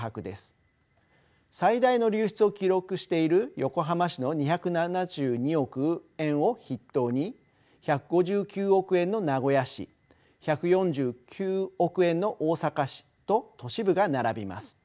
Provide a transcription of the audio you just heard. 最大の流出を記録している横浜市の２７２億円を筆頭に１５９億円の名古屋市１４９億円の大阪市と都市部が並びます。